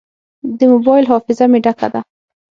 د موبایل حافظه مې ډکه ده.